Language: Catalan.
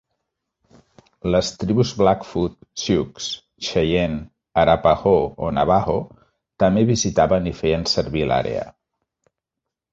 Les tribus Blackfoot, Sioux, Cheyenne, Arapaho o Navaho també visitaven i feien servir l'àrea.